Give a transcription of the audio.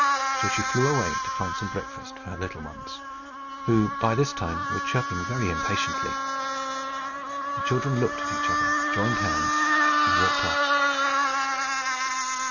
So she flew away to find some breakfast for her little ones, who by this time were chirping very impatiently. The children looked at each other, joined hands, and walked off.